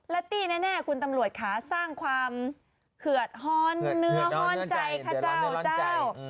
และตี้แน่คุณตำรวจขาสร้างความเหลือฝ่อนเนื้อห้อนใจ